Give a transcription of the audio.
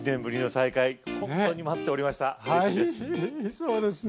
そうですね！